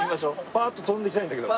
パーッと飛んできたいんだけど。